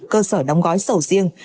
cơ sở đóng gói sầu riêng